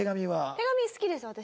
手紙好きです私。